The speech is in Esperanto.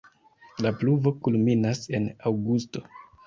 La pluvo kulminas en aŭgusto.